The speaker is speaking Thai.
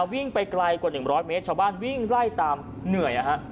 วิ่งไปไกลกว่า๑๐๐เมตรชาวบ้านวิ่งไล่ตามเหนื่อย